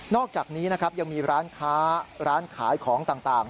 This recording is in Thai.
อกจากนี้นะครับยังมีร้านค้าร้านขายของต่าง